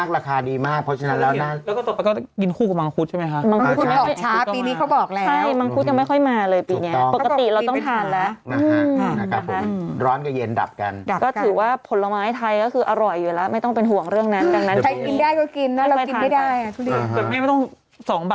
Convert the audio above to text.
แล้วก็มาแบบตัดราคาเลย๑๒๐เจ๋งปะล่ะ